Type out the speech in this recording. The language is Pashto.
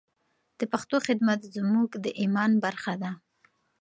د پښتو خدمت زموږ د ایمان برخه ده.